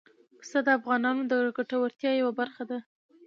پسه د افغانانو د ګټورتیا یوه برخه ده.